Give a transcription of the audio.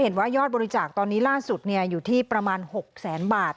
ยอดบริจาคตอนนี้ล่าสุดอยู่ที่ประมาณ๖แสนบาท